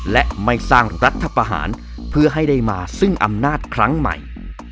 และไม่สร้างรัฐประหารเพื่อให้ได้มาซึ่งอำนาจครั้งใหม่